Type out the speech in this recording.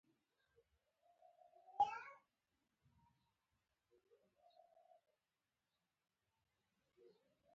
د توکو قیمت په افغانیو تادیه شي.